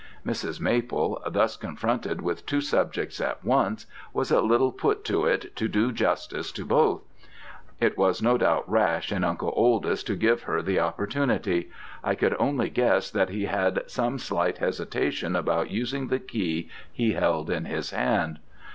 "Mrs. Maple, thus confronted with two subjects at once, was a little put to it to do justice to both. It was no doubt rash in Uncle Oldys to give her the opportunity. I could only guess that he had some slight hesitation about using the key he held in his hand.